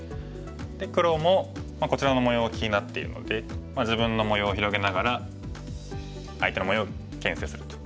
で黒もこちらの模様が気になっているので自分の模様を広げながら相手の模様をけん制すると。